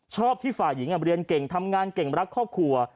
ที่ฝ่ายหญิงเรียนเก่งทำงานเก่งรักครอบครัว